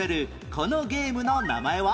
このゲームの名前は？